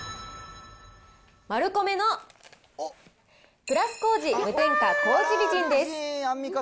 マルコメのプラス糀無添加糀美人です。